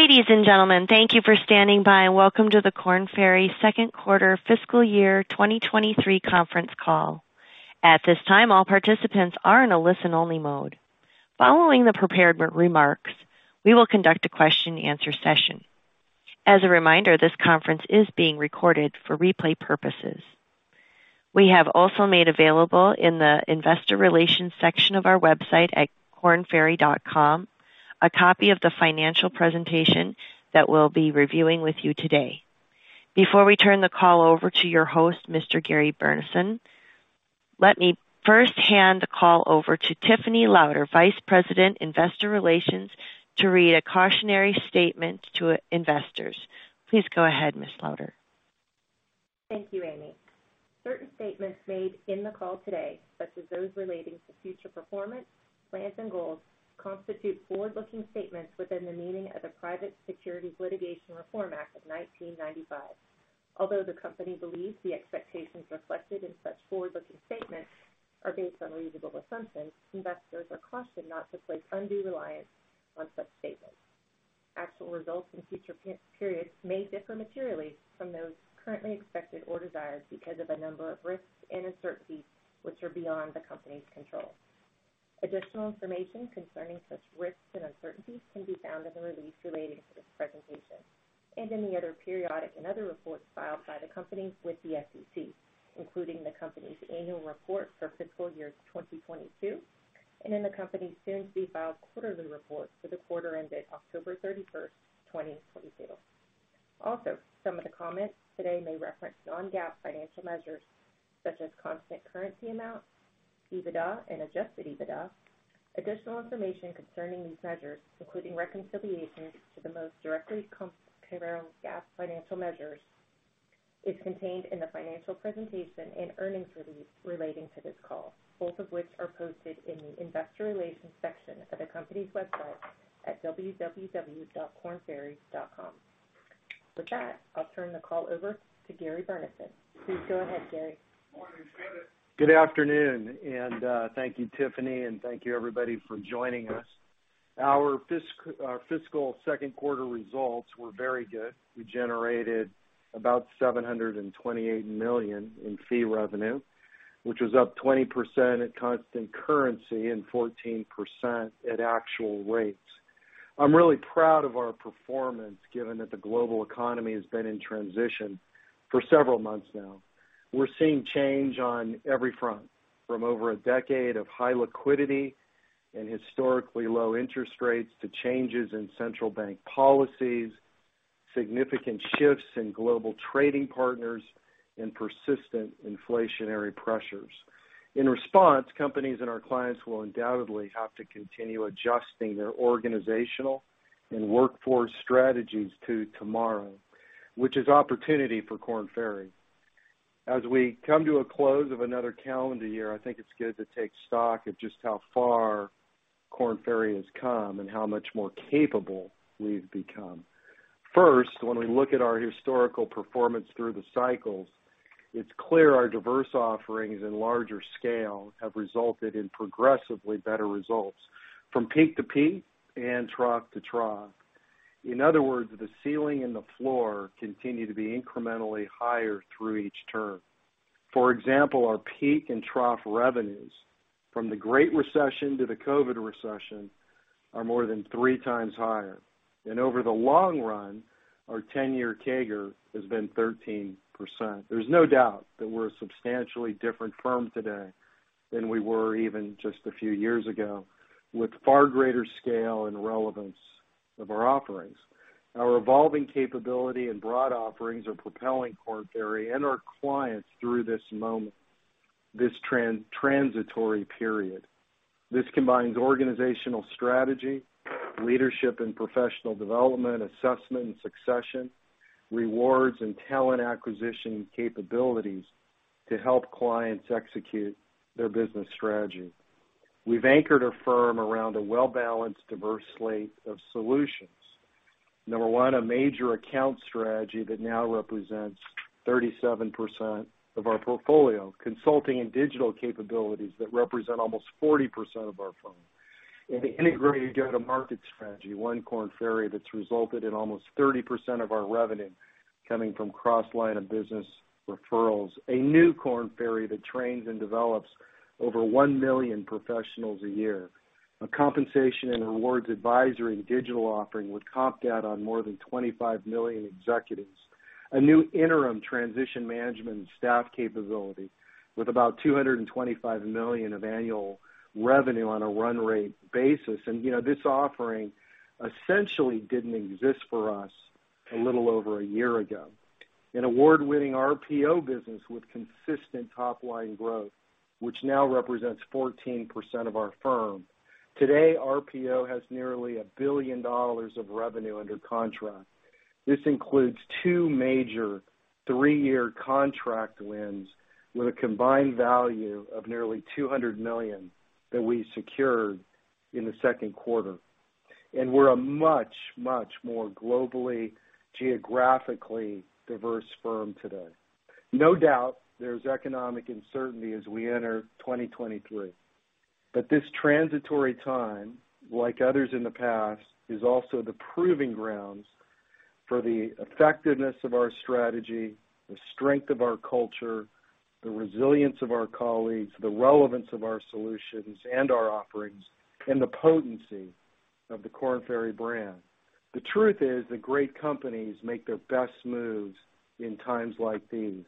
Ladies and gentlemen, thank you for standing by, and welcome to the Korn Ferry second quarter fiscal year 2023 conference call. At this time, all participants are in a listen-only mode. Following the prepared remarks, we will conduct a question and answer session. As a reminder, this conference is being recorded for replay purposes. We have also made available in the investor relations section of our website at kornferry.com, a copy of the financial presentation that we'll be reviewing with you today. Before we turn the call over to your host, Mr. Gary Burnison, let me first hand the call over to Tiffany Louder, Vice President, Investor Relations, to read a cautionary statement to investors. Please go ahead, Ms. Louder. Thank you, Amy. Certain statements made in the call today, such as those relating to future performance, plans and goals, constitute forward-looking statements within the meaning of the Private Securities Litigation Reform Act of 1995. Although the company believes the expectations reflected in such forward-looking statements are based on reasonable assumptions, investors are cautioned not to place undue reliance on such statements. Actual results in future periods may differ materially from those currently expected or desired because of a number of risks and uncertainties which are beyond the company's control. Additional information concerning such risks and uncertainties can be found in the release relating to this presentation and in the other periodic and other reports filed by the company with the SEC, including the company's annual report for fiscal year 2022 and in the company's soon-to-be-filed quarterly report for the quarter ended October 31st, 2022. Some of the comments today may reference non-GAAP financial measures such as constant currency amounts, EBITDA and adjusted EBITDA. Additional information concerning these measures, including reconciliations to the most directly comparable GAAP financial measures, is contained in the financial presentation and earnings release relating to this call, both of which are posted in the investor relations section of the company's website at www.kornferry.com. I'll turn the call over to Gary Burnison. Please go ahead, Gary. Morning. Good afternoon, and thank you, Tiffany, and thank you everybody for joining us. Our fiscal second quarter results were very good. We generated about $728 million in fee revenue, which was up 20% at constant currency and 14% at actual rates. I'm really proud of our performance, given that the global economy has been in transition for several months now. We're seeing change on every front, from over a decade of high liquidity and historically low interest rates to changes in central bank policies, significant shifts in global trading partners and persistent inflationary pressures. In response, companies and our clients will undoubtedly have to continue adjusting their organizational and workforce strategies to tomorrow, which is opportunity for Korn Ferry. As we come to a close of another calendar year, I think it's good to take stock of just how far Korn Ferry has come and how much more capable we've become. First, when we look at our historical performance through the cycles, it's clear our diverse offerings and larger scale have resulted in progressively better results from peak to peak and trough to trough. In other words, the ceiling and the floor continue to be incrementally higher through each term. For example, our peak and trough revenues from the Great Recession to the COVID recession are more than 3x higher. Over the long run, our 10-year CAGR has been 13%. There's no doubt that we're a substantially different firm today than we were even just a few years ago, with far greater scale and relevance of our offerings. Our evolving capability and broad offerings are propelling Korn Ferry and our clients through this moment, this transitory period. This combines organizational strategy, leadership and professional development, assessment and succession, rewards and talent acquisition capabilities to help clients execute their business strategy. We've anchored our firm around a well-balanced, diverse slate of solutions. Number one, a major account strategy that now represents 37% of our portfolio, consulting and digital capabilities that represent almost 40% of our firm. Integrated go-to-market strategy, one Korn Ferry that's resulted in almost 30% of our revenue coming from cross line of business referrals. A new Korn Ferry that trains and develops over one million professionals a year. A compensation and rewards advisory and digital offering with comp data on more than 25 million executives. A new interim transition management and staff capability with about $225 million of annual revenue on a run rate basis. You know, this offering essentially didn't exist for us a little over a year ago. An award-winning RPO business with consistent top line growth, which now represents 14% of our firm. Today, RPO has nearly $1 billion of revenue under contract. This includes two major three-year contract wins with a combined value of nearly $200 million that we secured in the second quarter. We're a much, much more globally, geographically diverse firm today. No doubt there's economic uncertainty as we enter 2023. This transitory time, like others in the past, is also the proving grounds for the effectiveness of our strategy, the strength of our culture, the resilience of our colleagues, the relevance of our solutions and our offerings, and the potency of the Korn Ferry brand. The truth is that great companies make their best moves in times like these,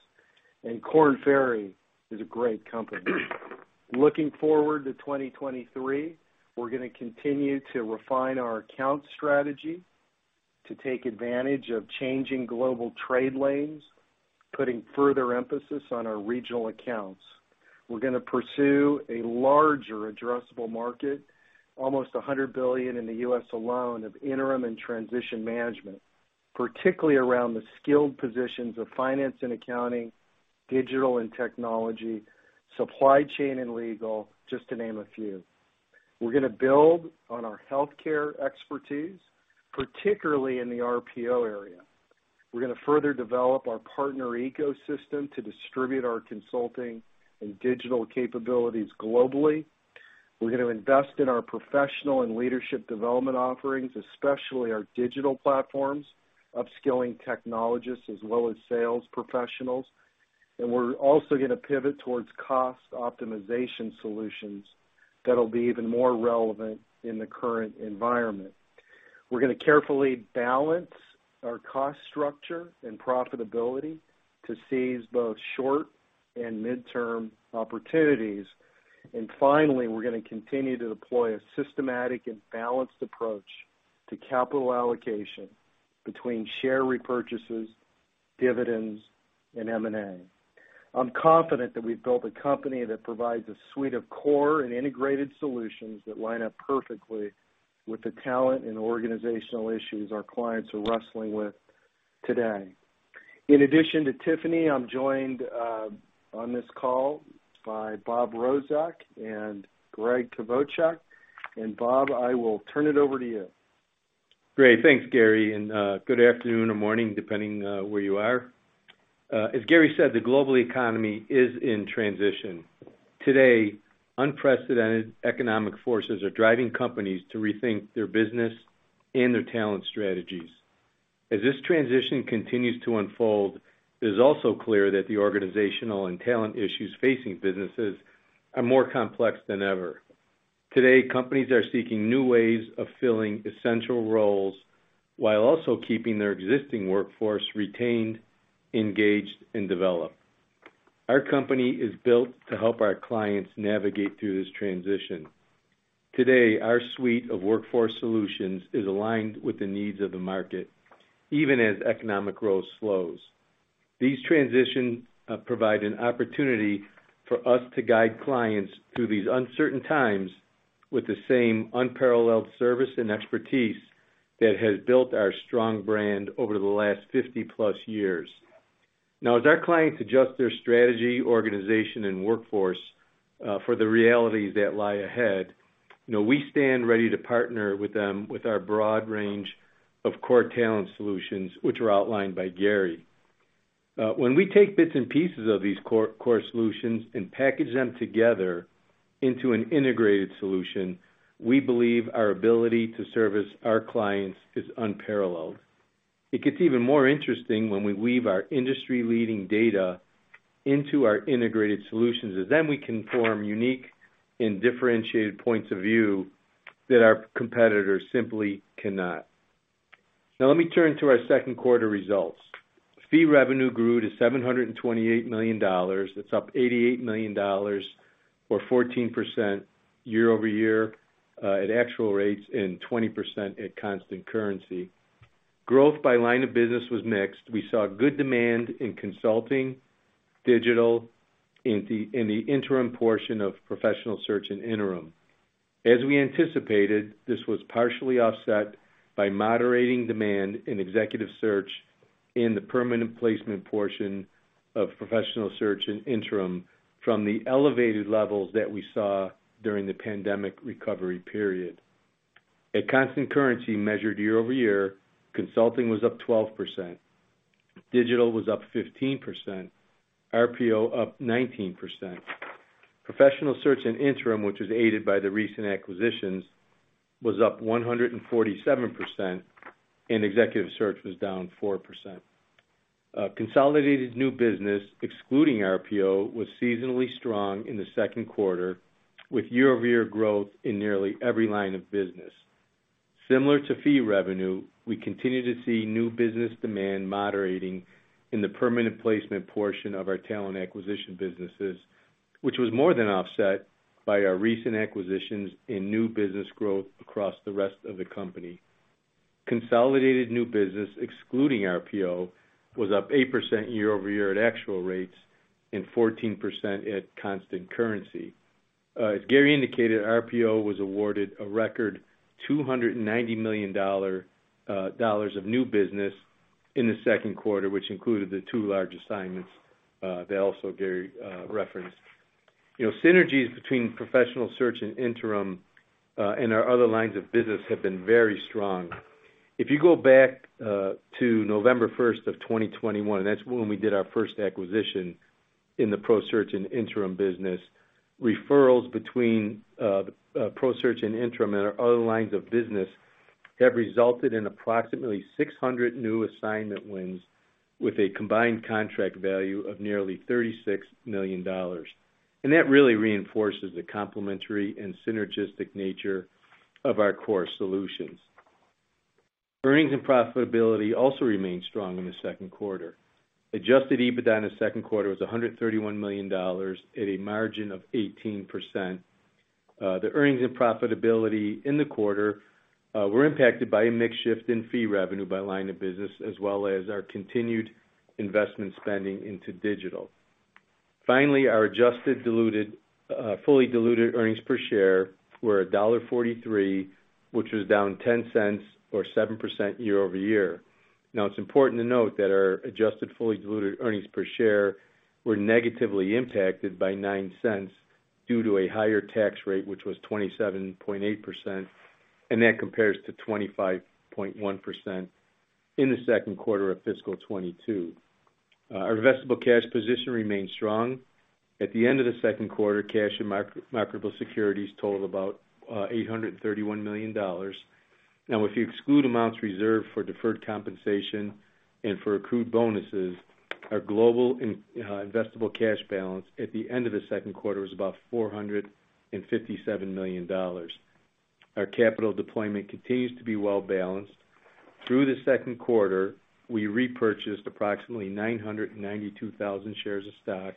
and Korn Ferry is a great company. Looking forward to 2023, we're gonna continue to refine our account strategy to take advantage of changing global trade lanes, putting further emphasis on our regional accounts. We're gonna pursue a larger addressable market, almost $100 billion in the U.S. alone of interim and transition management, particularly around the skilled positions of finance and accounting, digital and technology, supply chain and legal, just to name a few. We're gonna build on our healthcare expertise, particularly in the RPO area. We're gonna further develop our partner ecosystem to distribute our consulting and digital capabilities globally. We're gonna invest in our professional and leadership development offerings, especially our digital platforms, upskilling technologists as well as sales professionals. We're also gonna pivot towards cost optimization solutions that'll be even more relevant in the current environment. We're gonna carefully balance our cost structure and profitability to seize both short and mid-term opportunities. Finally, we're gonna continue to deploy a systematic and balanced approach to capital allocation between share repurchases, dividends, and M&A. I'm confident that we've built a company that provides a suite of core and integrated solutions that line up perfectly with the talent and organizational issues our clients are wrestling with today. In addition to Tiffany, I'm joined on this call by Robert Rozek and Gregg Kvochak. Bob, I will turn it over to you. Great. Thanks, Gary, good afternoon or morning, depending where you are. As Gary said, the global economy is in transition. Today, unprecedented economic forces are driving companies to rethink their business and their talent strategies. As this transition continues to unfold, it is also clear that the organizational and talent issues facing businesses are more complex than ever. Today, companies are seeking new ways of filling essential roles while also keeping their existing workforce retained, engaged, and developed. Our company is built to help our clients navigate through this transition. Today, our suite of workforce solutions is aligned with the needs of the market, even as economic growth slows. These transitions provide an opportunity for us to guide clients through these uncertain times with the same unparalleled service and expertise that has built our strong brand over the last 50+ years. As our clients adjust their strategy, organization, and workforce for the realities that lie ahead, you know, we stand ready to partner with them with our broad range of core talent solutions, which were outlined by Gary. When we take bits and pieces of these core solutions and package them together into an integrated solution, we believe our ability to service our clients is unparalleled. It gets even more interesting when we weave our industry-leading data into our integrated solutions, as then we can form unique and differentiated points of view that our competitors simply cannot. Let me turn to our second quarter results. Fee revenue grew to $728 million. That's up $88 million or 14% year-over-year at actual rates and 20% at constant currency. Growth by line of business was mixed. We saw good demand in consulting, digital, in the interim portion of Professional Search and interim. We anticipated, this was partially offset by moderating demand in executive search in the permanent placement portion of Professional Search and interim from the elevated levels that we saw during the pandemic recovery period. At constant currency measured year-over-year, consulting was up 12%, digital was up 15%, RPO up 19%. Professional Search and interim, which was aided by the recent acquisitions, was up 147%. Executive search was down 4%. Consolidated new business, excluding RPO, was seasonally strong in the second quarter with year-over-year growth in nearly every line of business. Similar to fee revenue, we continue to see new business demand moderating in the permanent placement portion of our talent acquisition businesses, which was more than offset by our recent acquisitions in new business growth across the rest of the company. Consolidated new business, excluding RPO, was up 8% year-over-year at actual rates and 14% at constant currency. As Gary indicated, RPO was awarded a record $290 million of new business in the second quarter, which included the two large assignments that also Gary referenced. You know, synergies between Professional Search and interim, and our other lines of business have been very strong. If you go back to November first of 2021, that's when we did our first acquisition in the ProSearch and Interim business. Referrals between ProSearch and Interim and our other lines of business have resulted in approximately 600 new assignment wins with a combined contract value of nearly $36 million. That really reinforces the complementary and synergistic nature of our core solutions. Earnings and profitability also remained strong in the second quarter. Adjusted EBITDA in the second quarter was $131 million at a margin of 18%. The earnings and profitability in the quarter were impacted by a mix shift in fee revenue by line of business, as well as our continued investment spending into digital. Finally, our fully diluted earnings per share were $1.43, which was down $0.10 or 7% year-over-year. Now it's important to note that our adjusted fully diluted earnings per share were negatively impacted by $0.09 due to a higher tax rate, which was 27.8%, and that compares to 25.1% in the second quarter of fiscal 2022. Our investable cash position remained strong. At the end of the second quarter, cash and marketable securities totaled about $831 million. Now, if you exclude amounts reserved for deferred compensation and for accrued bonuses, our global investable cash balance at the end of the second quarter was about $457 million. Our capital deployment continues to be well-balanced. Through the second quarter, we repurchased approximately 992,000 shares of stock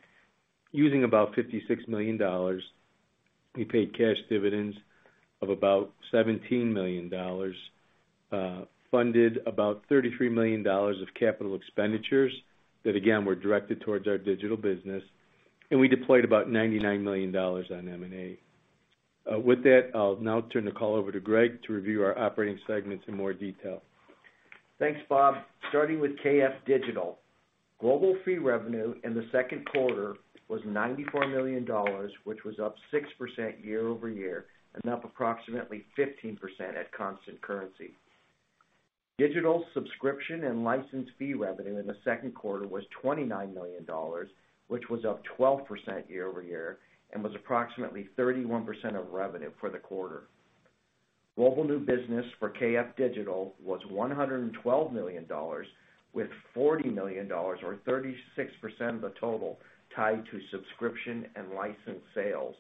using about $56 million. We paid cash dividends of about $17 million, funded about $33 million of capital expenditures that, again, were directed towards our Digital business, and we deployed about $99 million on M&A. With that, I'll now turn the call over to Gregg to review our operating segments in more detail. Thanks, Bob. Starting with KF Digital. Global fee revenue in the second quarter was $94 million, which was up 6% year-over-year and up approximately 15% at constant currency. Digital subscription and license fee revenue in the second quarter was $29 million, which was up 12% year-over-year and was approximately 31% of revenue for the quarter. Global new business for KF Digital was $112 million, with $40 million or 36% of the total tied to subscription and license sales.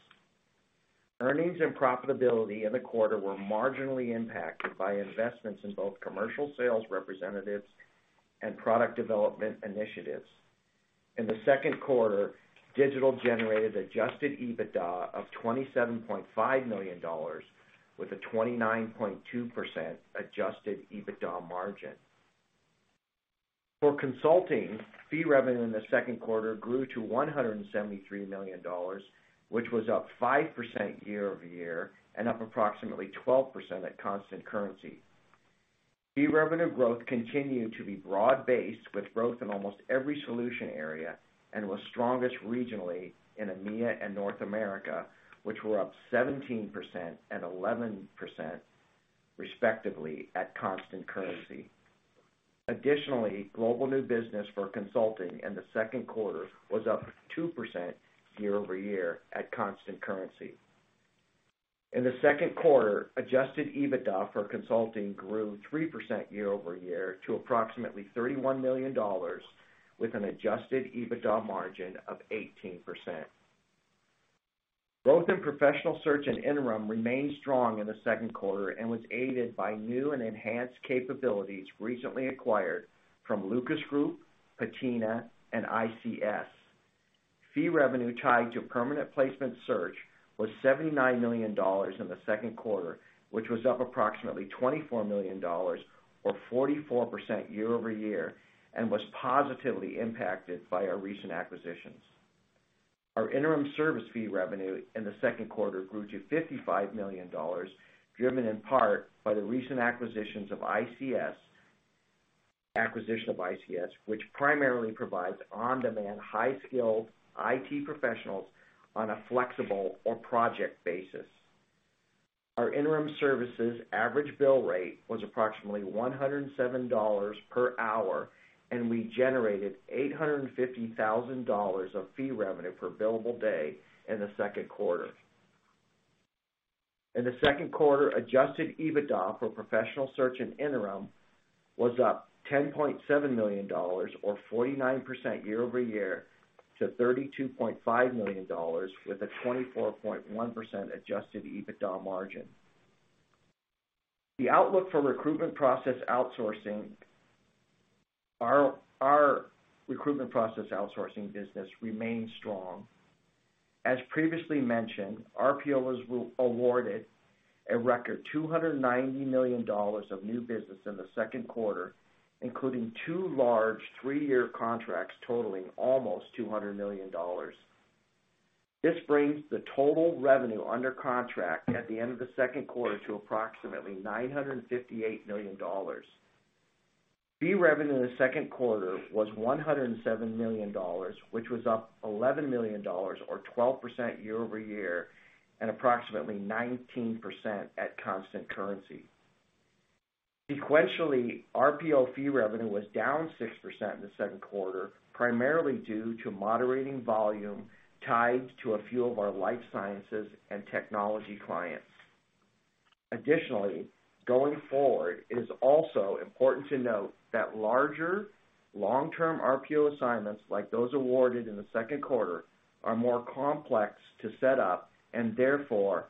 Earnings and profitability in the quarter were marginally impacted by investments in both commercial sales representatives and product development initiatives. In the second quarter, digital generated adjusted EBITDA of $27.5 million with a 29.2% adjusted EBITDA margin. For consulting, fee revenue in the second quarter grew to $173 million, which was up 5% year-over-year and up approximately 12% at constant currency. Fee revenue growth continued to be broad-based, with growth in almost every solution area and was strongest regionally in EMEA and North America, which were up 17% and 11%, respectively, at constant currency. Additionally, global new business for consulting in the second quarter was up 2% year-over-year at constant currency. In the second quarter, adjusted EBITDA for consulting grew 3% year-over-year to approximately $31 million, with an adjusted EBITDA margin of 18%. Growth in Professional Search and interim remained strong in the second quarter and was aided by new and enhanced capabilities recently acquired from Lucas Group, Patina, and ICS. Fee revenue tied to permanent placement search was $79 million in the second quarter, which was up approximately $24 million or 44% year-over-year and was positively impacted by our recent acquisitions. Our interim service fee revenue in the second quarter grew to $55 million, driven in part by the recent acquisition of ICS, which primarily provides on-demand, high-skilled IT professionals on a flexible or project basis. Our interim services average bill rate was approximately $107 per hour. We generated $850,000 of fee revenue per billable day in the second quarter. In the second quarter, adjusted EBITDA for Professional Search and interim was up $10.7 million or 49% year-over-year to $32.5 million with a 24.1% adjusted EBITDA margin. The outlook for recruitment process outsourcing. Our recruitment process outsourcing business remains strong. As previously mentioned, RPO was awarded a record $290 million of new business in the second quarter, including two large three-year contracts totaling almost $200 million. This brings the total revenue under contract at the end of the second quarter to approximately $958 million. Fee revenue in the second quarter was $107 million, which was up $11 million or 12% year-over-year, and approximately 19% at constant currency. Sequentially, RPO fee revenue was down 6% in the second quarter, primarily due to moderating volume tied to a few of our life sciences and technology clients. Additionally, going forward, it is also important to note that larger long-term RPO assignments like those awarded in the second quarter are more complex to set up and therefore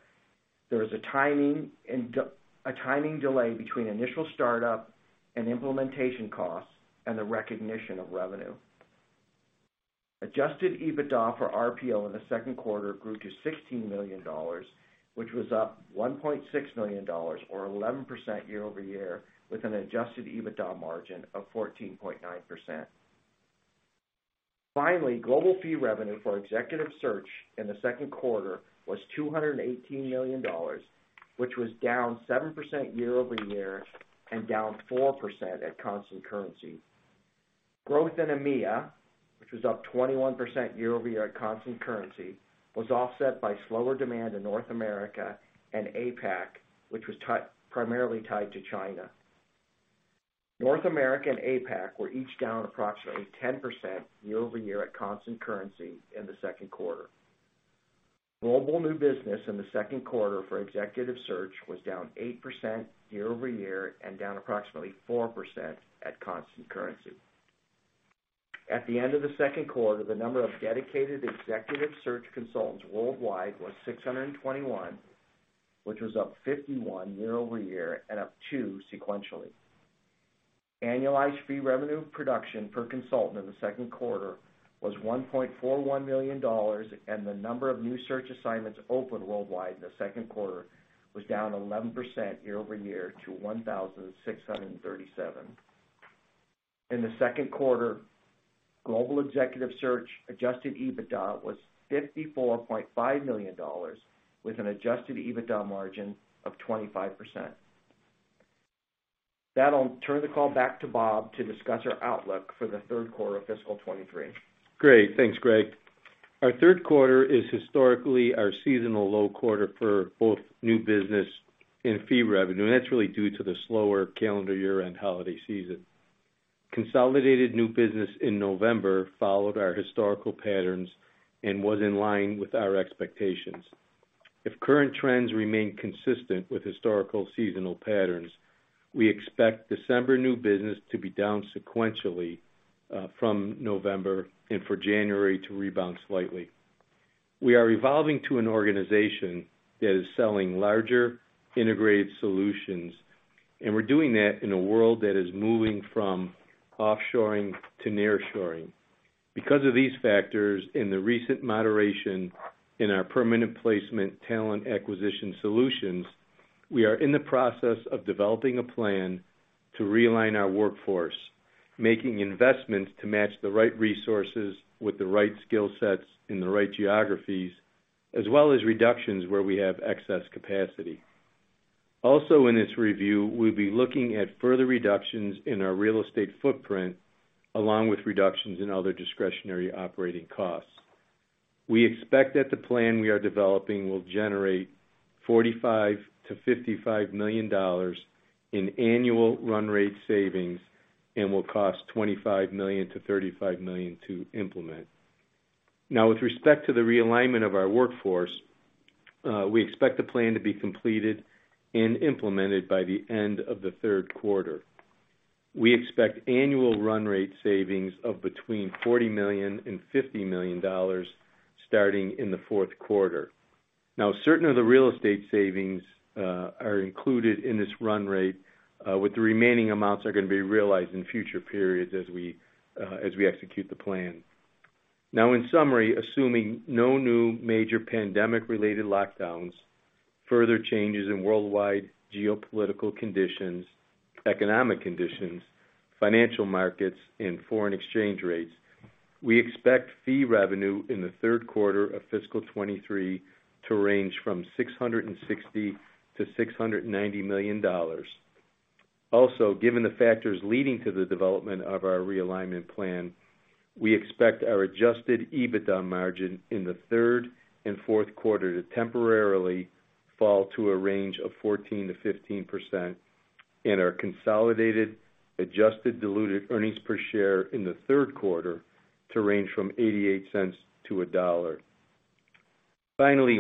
there's a timing and a timing delay between initial startup and implementation costs and the recognition of revenue. Adjusted EBITDA for RPO in the second quarter grew to $16 million, which was up $1.6 million or 11% year-over-year with an adjusted EBITDA margin of 14.9%. Finally, global fee revenue for executive search in the second quarter was $218 million, which was down 7% year-over-year and down 4% at constant currency. Growth in EMEA, which was up 21% year-over-year at constant currency, was offset by slower demand in North America and APAC, which was primarily tied to China. North America and APAC were each down approximately 10% year-over-year at constant currency in the second quarter. Global new business in the second quarter for executive search was down 8% year-over-year and down approximately 4% at constant currency. At the end of the second quarter, the number of dedicated executive search consultants worldwide was 621, which was up 51 year-over-year and up two sequentially. Annualized fee revenue production per consultant in the second quarter was $1.41 million, and the number of new search assignments opened worldwide in the second quarter was down 11% year-over-year to 1,637. In the second quarter, global executive search adjusted EBITDA was $54.5 million with an adjusted EBITDA margin of 25%. That'll turn the call back to Bob to discuss our outlook for the third quarter of fiscal 2023. Great. Thanks, Gregg. Our third quarter is historically our seasonal low quarter for both new business and fee revenue, and that's really due to the slower calendar year-end holiday season. Consolidated new business in November followed our historical patterns and was in line with our expectations. If current trends remain consistent with historical seasonal patterns, we expect December new business to be down sequentially from November and for January to rebound slightly. We are evolving to an organization that is selling larger integrated solutions, and we're doing that in a world that is moving from offshoring to nearshoring. Because of these factors and the recent moderation in our permanent placement talent acquisition solutions, we are in the process of developing a plan to realign our workforce, making investments to match the right resources with the right skill sets in the right geographies, as well as reductions where we have excess capacity. Also, in this review, we'll be looking at further reductions in our real estate footprint, along with reductions in other discretionary operating costs. We expect that the plan we are developing will generate $45 million-$55 million in annual run rate savings and will cost $25 million-$35 million to implement. Now, with respect to the realignment of our workforce, we expect the plan to be completed and implemented by the end of the third quarter. We expect annual run rate savings of between $40 million and $50 million starting in the fourth quarter. Certain of the real estate savings, are included in this run rate, with the remaining amounts are gonna be realized in future periods as we execute the plan. In summary, assuming no new major pandemic-related lockdowns, further changes in worldwide geopolitical conditions, economic conditions, financial markets, and foreign exchange rates, we expect fee revenue in the third quarter of fiscal 2023 to range from $660 million-$690 million. Given the factors leading to the development of our realignment plan, we expect our adjusted EBITDA margin in the third and fourth quarter to temporarily fall to a range of 14%-15% and our consolidated adjusted diluted earnings per share in the third quarter to range from $0.88-$1.00.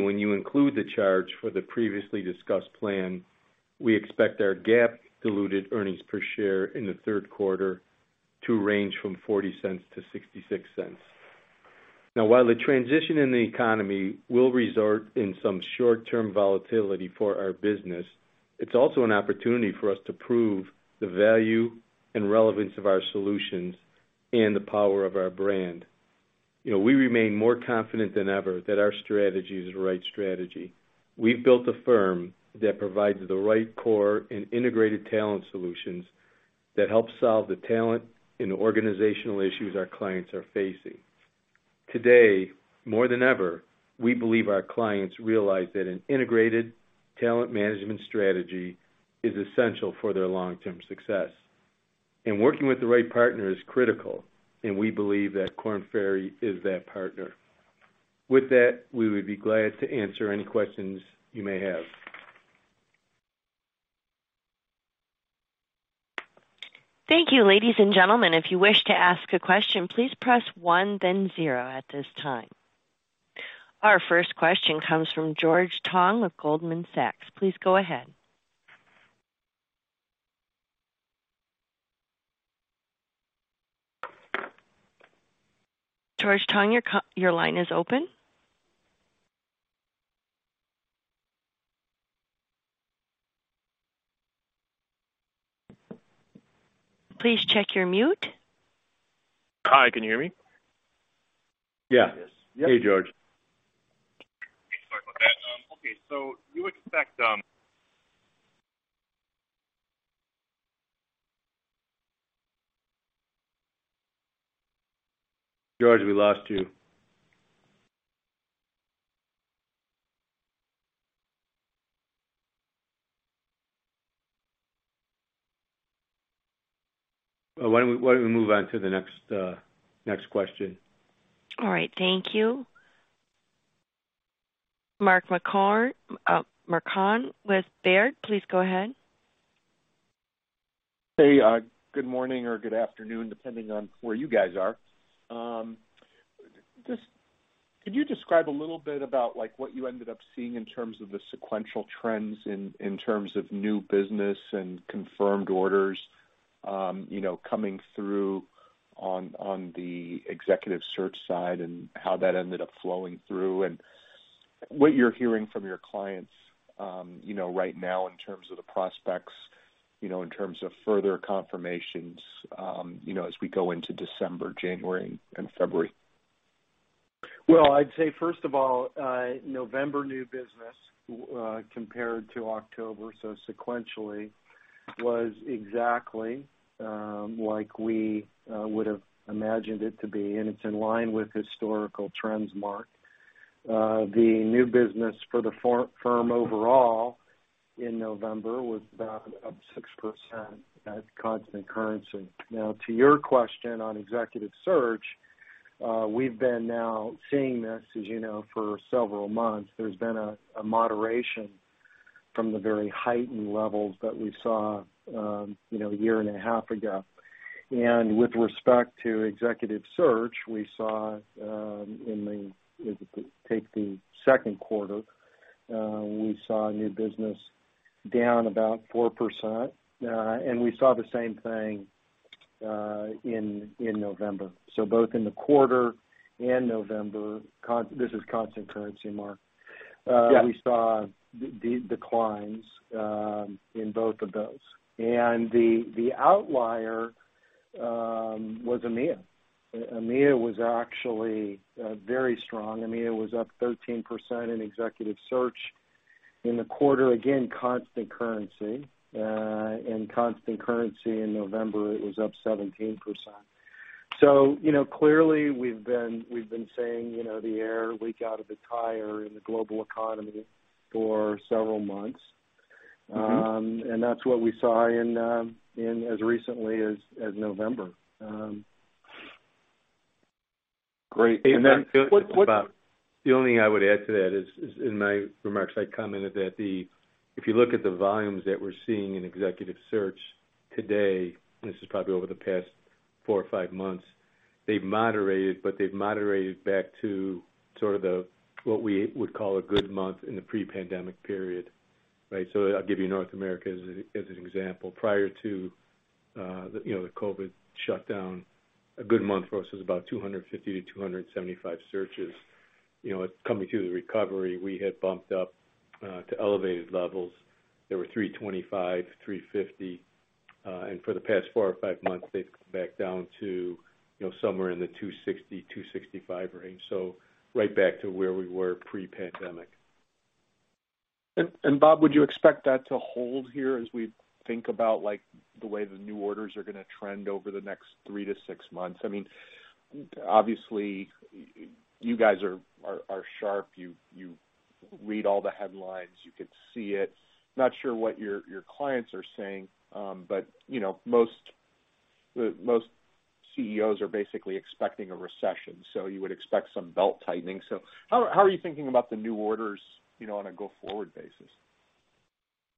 When you include the charge for the previously discussed plan, we expect our GAAP diluted earnings per share in the third quarter to range from $0.40-$0.66. While the transition in the economy will result in some short-term volatility for our business, it's also an opportunity for us to prove the value and relevance of our solutions and the power of our brand. You know, we remain more confident than ever that our strategy is the right strategy. We've built a firm that provides the right core and integrated talent solutions that help solve the talent and organizational issues our clients are facing. Today, more than ever, we believe our clients realize that an integrated talent management strategy is essential for their long-term success. Working with the right partner is critical, and we believe that Korn Ferry is that partner. With that, we would be glad to answer any questions you may have. Thank you, ladies and gentlemen. If you wish to ask a question, please press one then zero at this time. Our first question comes from George Tong of Goldman Sachs. Please go ahead. George Tong, your line is open. Please check your mute. Hi, can you hear me? Yeah. Yes. Hey, George. Sorry about that. Okay, you expect... George, we lost you. Why don't we move on to the next question? All right, thank you. Mark Marcon with Baird, please go ahead. Hey, good morning or good afternoon, depending on where you guys are. Just could you describe a little bit about like what you ended up seeing in terms of the sequential trends in terms of new business and confirmed orders, you know, coming through on the executive search side and how that ended up flowing through and what you're hearing from your clients, you know, right now in terms of the prospects, you know, in terms of further confirmations, you know, as we go into December, January, and February? Well, I'd say first of all, November new business compared to October, so sequentially was exactly like we would have imagined it to be, and it's in line with historical trends, Mark. The new business for the firm overall in November was about up 6% at constant currency. Now, to your question on executive search, we've been now seeing this, as you know, for several months. There's been a moderation from the very heightened levels that we saw, you know, a year and a half ago. With respect to executive search, we saw in the second quarter, we saw new business down about 4%, and we saw the same thing in November. Both in the quarter and November this is constant currency, Mark. Yeah. we saw the declines in both of those. The, the outlier was EMEA. EMEA was actually very strong. EMEA was up 13% in executive search in the quarter, again, constant currency. In constant currency in November, it was up 17%. You know, clearly we've been, we've been saying, you know, the air leak out of the tire in the global economy for several months. Mm-hmm. That's what we saw in as recently as November. Great. what? Bob, the only thing I would add to that is in my remarks, I commented that if you look at the volumes that we're seeing in executive search today, this is probably over the past four or five months, they've moderated, but they've moderated back to sort of the, what we would call a good month in the pre-pandemic period. Right? I'll give you North America as an example. Prior to, you know, the COVID shutdown, a good month for us was about 250-275 searches. You know, coming through the recovery, we had bumped up to elevated levels. There were 325, 350. For the past four or five months, they've come back down to, you know, somewhere in the 260-265 range. Right back to where we were pre-pandemic. Bob, would you expect that to hold here as we think about like the way the new orders are gonna trend over the next three to six months? I mean, obviously you guys are sharp. You read all the headlines. You could see it. Not sure what your clients are saying, but you know, most CEOs are basically expecting a recession, so you would expect some belt-tightening. How are you thinking about the new orders, you know, on a go-forward basis?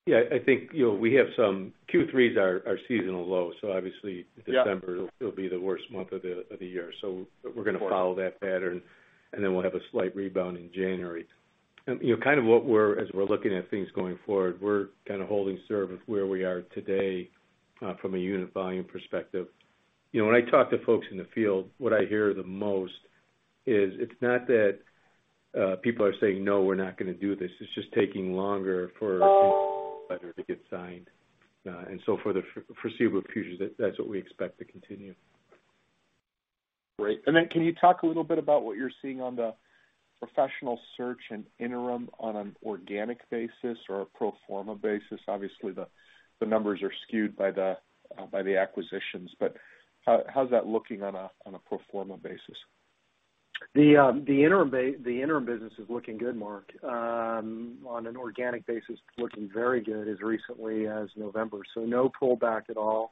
Yeah, I think, you know. Q3s are seasonal low. Yeah. December it'll be the worst month of the year. We're gonna follow that pattern, then we'll have a slight rebound in January. You know, kind of as we're looking at things going forward, we're kinda holding serve with where we are today, from a unit volume perspective. You know, when I talk to folks in the field, what I hear the most is it's not that people are saying, "No, we're not gonna do this." It's just taking longer for to get signed. For the foreseeable future, that's what we expect to continue. Great. Can you talk a little bit about what you're seeing on the Professional Search and interim on an organic basis or a pro forma basis. Obviously, the numbers are skewed by the by the acquisitions, but how's that looking on a pro forma basis? The interim business is looking good, Mark. On an organic basis, looking very good as recently as November. No pullback at all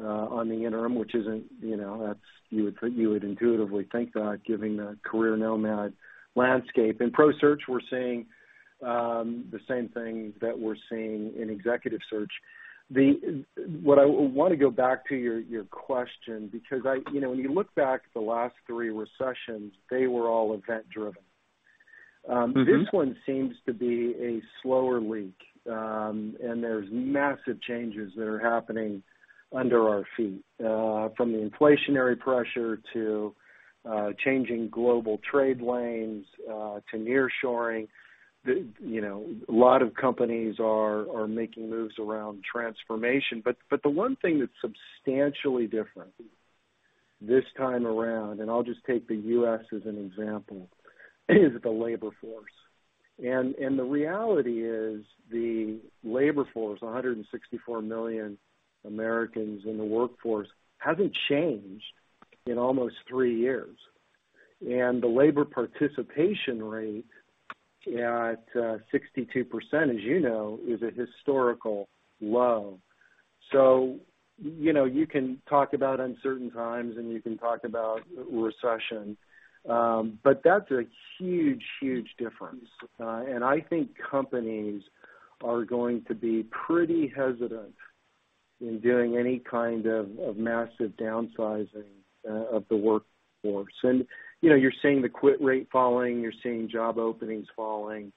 on the interim, which isn't, you know, that's you would intuitively think that given the career nomad landscape. In ProSearch, we're seeing the same thing that we're seeing in executive search. What I want to go back to your question. You know, when you look back at the last three recessions, they were all event-driven. Mm-hmm. This one seems to be a slower leak. There's massive changes that are happening under our feet, from the inflationary pressure to changing global trade lanes, to nearshoring. You know, a lot of companies are making moves around transformation. The one thing that's substantially different this time around, and I'll just take the U.S. as an example, is the labor force. The reality is the labor force, 164 million Americans in the workforce, hasn't changed in almost three years. The labor participation rate at 62%, as you know, is a historical low. You know, you can talk about uncertain times, and you can talk about recession. That's a huge difference. I think companies are going to be pretty hesitant in doing any kind of massive downsizing of the workforce. You know, you're seeing the quit rate falling. You're seeing job openings falling,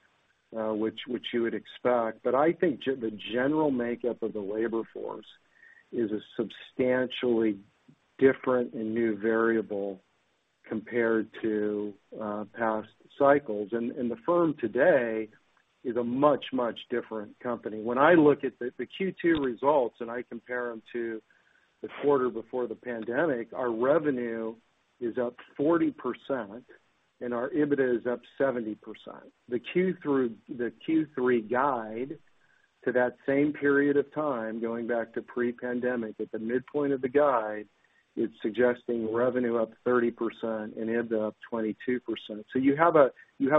which you would expect. I think the general makeup of the labor force is a substantially different and new variable compared to past cycles. The firm today is a much different company. When I look at the Q2 results, and I compare them to the quarter before the pandemic, our revenue is up 40%, and our EBITDA is up 70%. The Q3, the Q3 guide to that same period of time, going back to pre-pandemic, at the midpoint of the guide, it's suggesting revenue up 30% and EBITDA up 22%. You have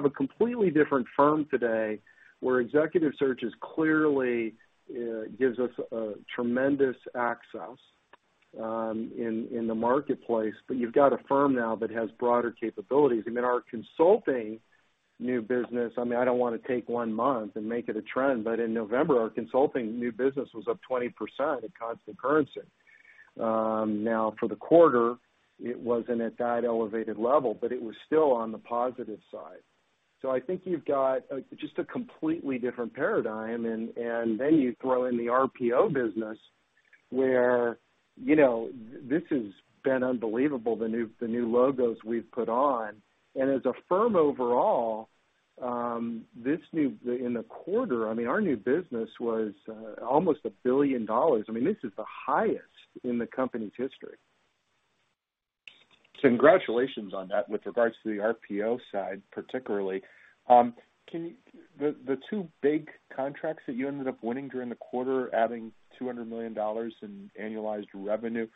a completely different firm today, where executive search is clearly gives us a tremendous access in the marketplace. You've got a firm now that has broader capabilities. I mean, our consulting new business, I mean, I don't wanna take one month and make it a trend, but in November, our consulting new business was up 20% at constant currency. Now, for the quarter, it wasn't at that elevated level, but it was still on the positive side. I think you've got just a completely different paradigm and then you throw in the RPO business where, you know, this has been unbelievable, the new, the new logos we've put on. As a firm overall, in the quarter, I mean, our new business was almost $1 billion. I mean, this is the highest in the company's history. Congratulations on that with regards to the RPO side, particularly. Can you... The two big contracts that you ended up winning during the quarter, adding $200 million in annualized revenue,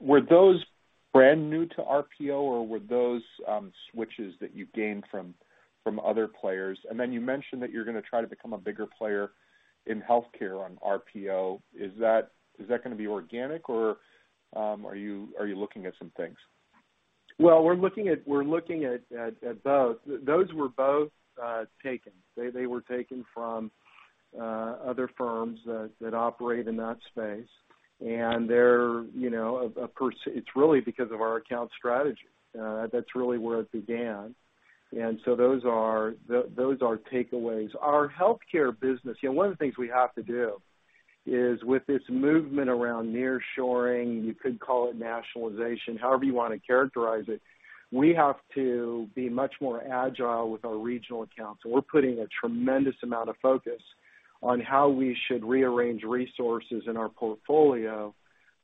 were those brand new to RPO, or were those switches that you gained from other players? You mentioned that you're gonna try to become a bigger player in healthcare on RPO. Is that gonna be organic, or, are you looking at some things? Well, we're looking at both. Those were both taken. They were taken from other firms that operate in that space. They're, you know, of course, it's really because of our account strategy. That's really where it began. Those are takeaways. Our healthcare business, you know, one of the things we have to do is with this movement around nearshoring, you could call it nationalization, however you wanna characterize it, we have to be much more agile with our regional accounts. We're putting a tremendous amount of focus on how we should rearrange resources in our portfolio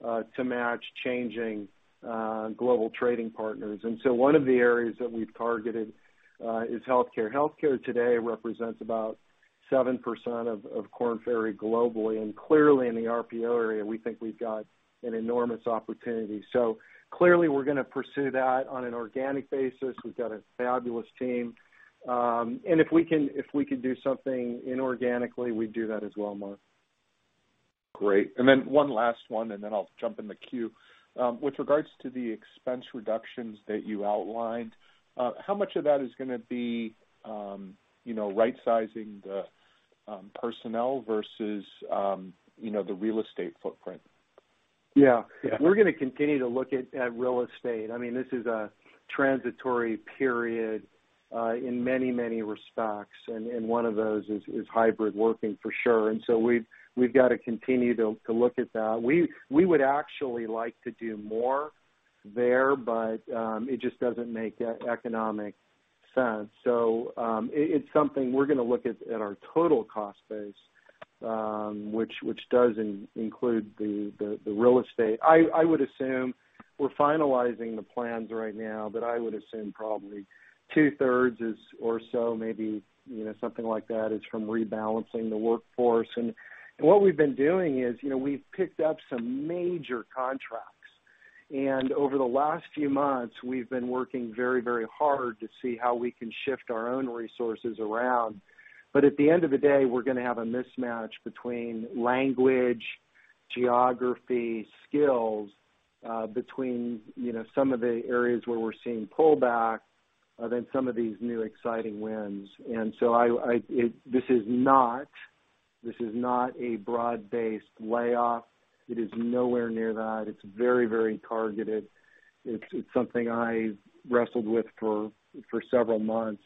to match changing global trading partners. One of the areas that we've targeted is healthcare. Healthcare today represents about 7% of Korn Ferry globally. Clearly, in the RPO area, we think we've got an enormous opportunity. Clearly, we're gonna pursue that on an organic basis. We've got a fabulous team. And if we can do something inorganically, we'd do that as well, Mark. Great. One last one, and then I'll jump in the queue. With regards to the expense reductions that you outlined, how much of that is gonna be, you know, rightsizing the personnel versus, you know, the real estate footprint? Yeah. Yeah. We're gonna continue to look at real estate. I mean, this is a transitory period in many respects, and one of those is hybrid working for sure. We've got to continue to look at that. We would actually like to do more there, but it just doesn't make economic sense. It's something we're gonna look at our total cost base. Which does include the real estate. I would assume we're finalizing the plans right now, but I would assume probably two-thirds is or so maybe, you know, something like that is from rebalancing the workforce. What we've been doing is, you know, we've picked up some major contracts, and over the last few months, we've been working very hard to see how we can shift our own resources around. At the end of the day, we're gonna have a mismatch between language, geography, skills, between, you know, some of the areas where we're seeing pullback than some of these new exciting wins. This is not a broad-based layoff. It is nowhere near that. It's very targeted. It's something I wrestled with for several months.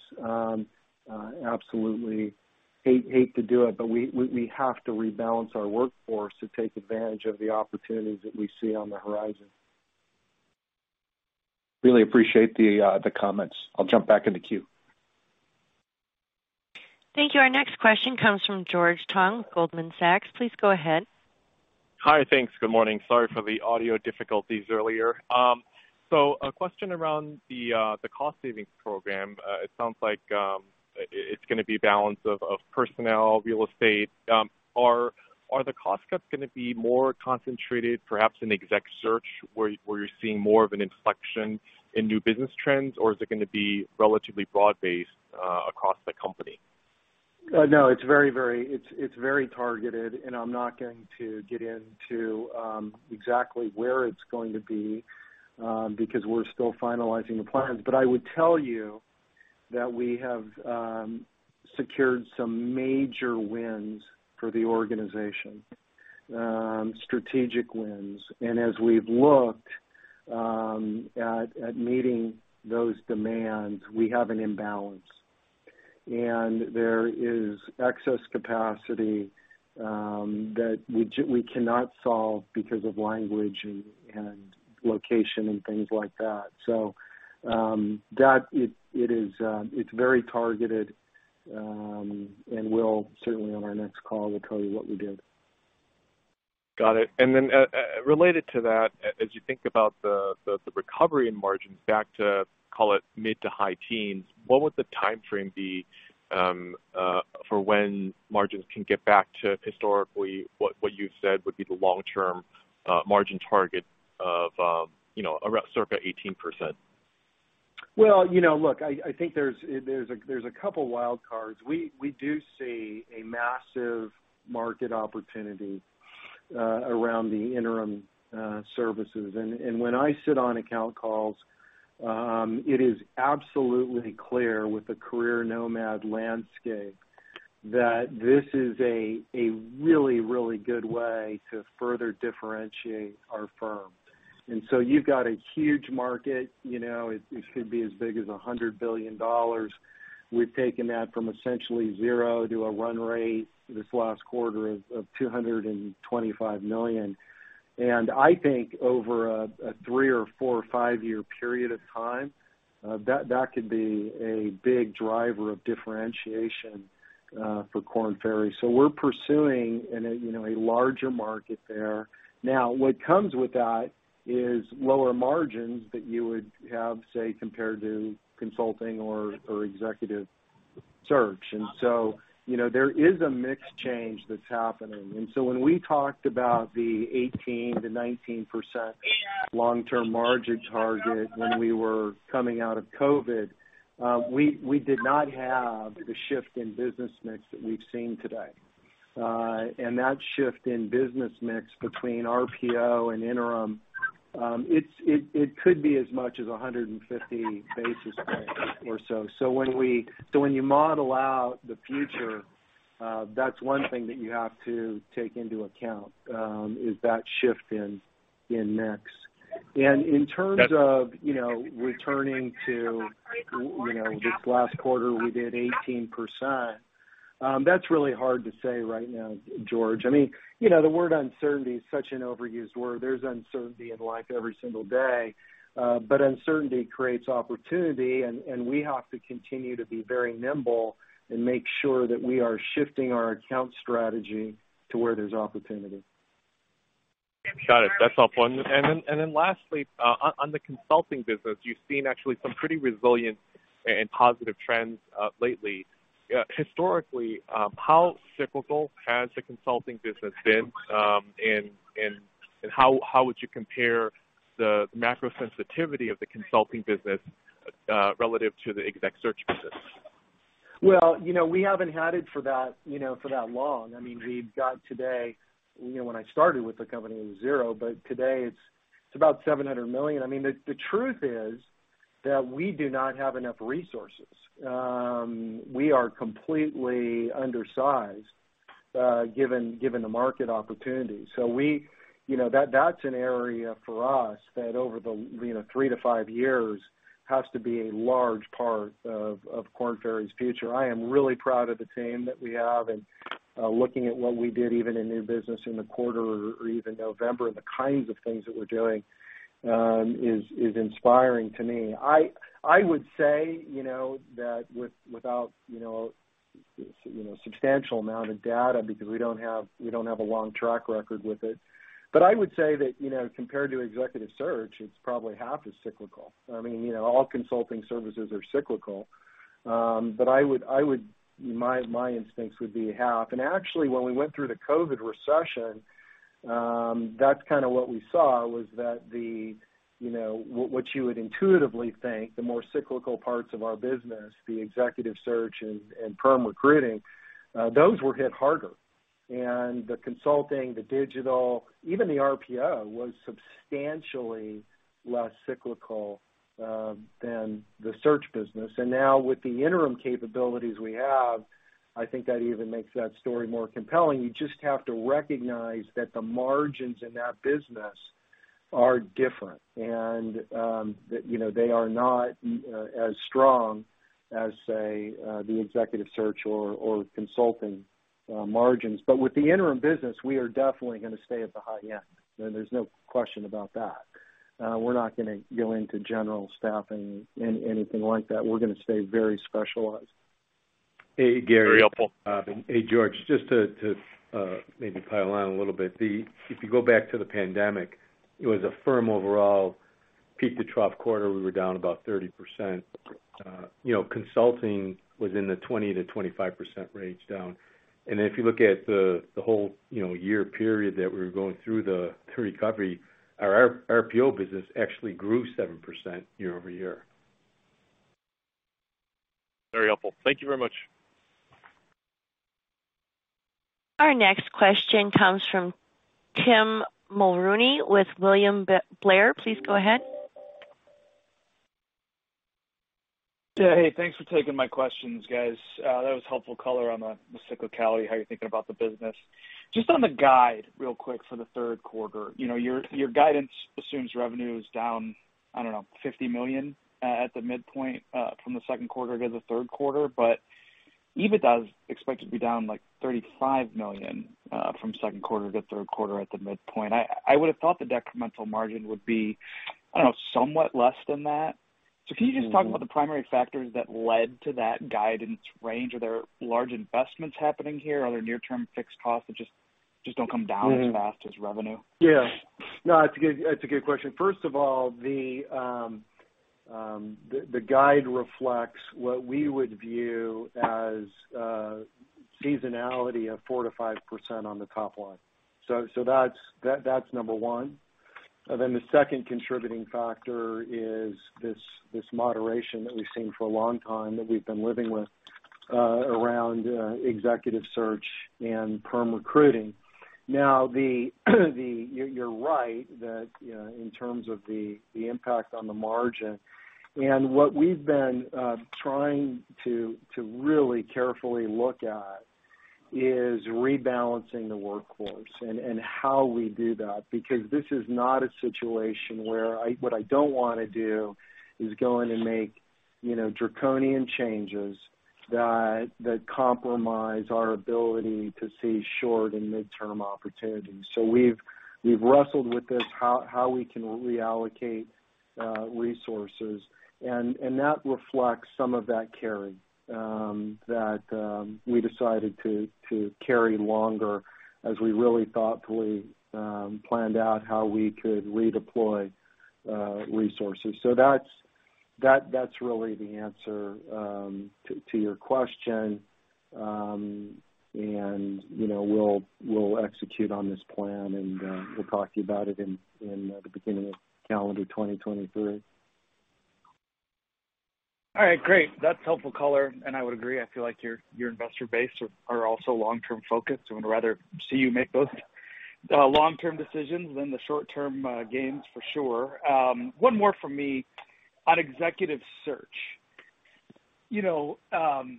Absolutely hate to do it, but we have to rebalance our workforce to take advantage of the opportunities that we see on the horizon. Really appreciate the comments. I'll jump back in the queue. Thank you. Our next question comes from George Tong, Goldman Sachs. Please go ahead. Hi. Thanks. Good morning. Sorry for the audio difficulties earlier. A question around the cost savings program. It sounds like it's gonna be balance of personnel, real estate. Are the cost cuts gonna be more concentrated, perhaps in exec search where you're seeing more of an inflection in new business trends, or is it gonna be relatively broad-based across the company? No, it's very targeted. I'm not going to get into exactly where it's going to be because we're still finalizing the plans. I would tell you that we have secured some major wins for the organization, strategic wins. As we've looked at meeting those demands, we have an imbalance. There is excess capacity that we cannot solve because of language and location and things like that. That it is very targeted. We'll certainly on our next call will tell you what we did. Got it. Related to that, as you think about the recovery in margins back to, call it, mid to high teens, what would the timeframe be for when margins can get back to historically what you've said would be the long-term margin target of, you know, around circa 18%? Well, you know, look, I think there's a couple wild cards. We do see a massive market opportunity around the interim services. When I sit on account calls, it is absolutely clear with the career nomad landscape that this is a really good way to further differentiate our firm. You've got a huge market, you know. It could be as big as $100 billion. We've taken that from essentially zero to a run rate this last quarter of $225 million. I think over a three or four or five-year period of time, that could be a big driver of differentiation for Korn Ferry. We're pursuing in a, you know, a larger market there. What comes with that is lower margins that you would have, say, compared to consulting or executive search. You know, there is a mix change that's happening. When we talked about the 18%-19% long-term margin target when we were coming out of COVID, we did not have the shift in business mix that we've seen today. That shift in business mix between RPO and interim, it could be as much as 150 basis points or so. When you model out the future, that's one thing that you have to take into account, is that shift in mix. In terms of. That- You know, returning to, you know, this last quarter, we did 18%. That's really hard to say right now, George. I mean, you know, the word uncertainty is such an overused word. There's uncertainty in life every single day. Uncertainty creates opportunity, and we have to continue to be very nimble and make sure that we are shifting our account strategy to where there's opportunity. Got it. That's helpful. Lastly, on the consulting business, you've seen actually some pretty resilient and positive trends, lately. Historically, how cyclical has the consulting business been? How would you compare the macro sensitivity of the consulting business, relative to the exec search business? Well, you know, we haven't had it for that, you know, for that long. I mean, we've got today. You know, when I started with the company, it was zero, but today it's about $700 million. I mean, the truth is that we do not have enough resources. We are completely undersized, given the market opportunity. You know, that's an area for us that over the, you know, three to five years has to be a large part of Korn Ferry's future. I am really proud of the team that we have, and looking at what we did even in new business in the quarter or even November, and the kinds of things that we're doing, is inspiring to me. I would say, you know, that without, you know, substantial amount of data because we don't have a long track record with it. I would say that, you know, compared to executive search, it's probably half as cyclical. I mean, you know, all consulting services are cyclical. I would, my instincts would be half. Actually, when we went through the COVID recession, that's kind of what we saw was that, you know, what you would intuitively think, the more cyclical parts of our business, the executive search and perm recruiting, those were hit harder. The consulting, the Digital, even the RPO was substantially less cyclical than the search business. Now with the interim capabilities we have, I think that even makes that story more compelling. You just have to recognize that the margins in that business are different, and, you know, they are not as strong as, say, the executive search or consulting margins. With the interim business, we are definitely gonna stay at the high end. There's no question about that. We're not gonna go into general staffing, anything like that. We're gonna stay very specialized. Hey, Gary. Very helpful. Hey, George. Just to maybe pile on a little bit. If you go back to the pandemic, it was a firm overall peak to trough quarter, we were down about 30%. you know, consulting was in the 20%-25% range down. If you look at the whole, you know, year period that we were going through the recovery, our RPO business actually grew 7% year-over-year. Very helpful. Thank you very much. Our next question comes from Tim Mulrooney with William Blair. Please go ahead. Hey, thanks for taking my questions, guys. That was helpful color on the cyclicality, how you're thinking about the business. Just on the guide real quick for the third quarter. You know, your guidance assumes revenue is down, I don't know, $50 million at the midpoint from the second quarter to the third quarter. EBITDA is expected to be down, like, $35 million from second quarter to third quarter at the midpoint. I would have thought the decremental margin would be, I don't know, somewhat less than that. Can you just talk about the primary factors that led to that guidance range? Are there large investments happening here? Are there near-term fixed costs that just don't come down as fast as revenue? No, it's a good question. First of all, the guide reflects what we would view as seasonality of 4%-5% on the top line. That's number one. The second contributing factor is this moderation that we've seen for a long time, that we've been living with around executive search and perm recruiting. You're right that, you know, in terms of the impact on the margin. What we've been trying to really carefully look at is rebalancing the workforce and how we do that, because this is not a situation where what I don't wanna do is go in and make, you know, draconian changes that compromise our ability to see short- and mid-term opportunities. We've wrestled with this, how we can reallocate resources, and that reflects some of that carry that we decided to carry longer as we really thoughtfully planned out how we could redeploy resources. That's really the answer to your question. You know, we'll execute on this plan, and we'll talk to you about it in the beginning of calendar 2023. All right. Great. That's helpful color. I would agree, I feel like your investor base are also long-term focused and would rather see you make those long-term decisions than the short-term gains for sure. One more from me. On executive search, you know, I'm